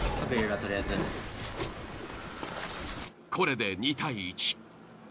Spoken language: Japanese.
これで２対１。